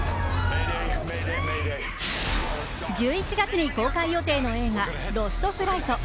１１月に公開予定の映画「ロスト・フライト」。